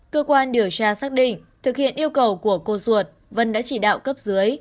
cơ quan điều tra xác định thực hiện yêu cầu của cô ruột vân đã chỉ đạo cấp dưới